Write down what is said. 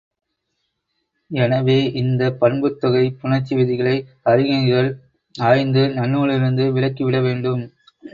எனவே இந்தப் பண்புத் தொகைப் புணர்ச்சி விதிகளை அறிஞர்கள் ஆய்ந்து நன்னூலிலிருந்து விலக்கிவிட வேண்டும்.